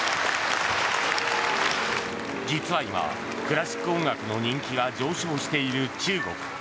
実は今、クラシック音楽の人気が上昇している中国。